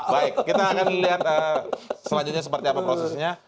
baik kita akan lihat selanjutnya seperti apa prosesnya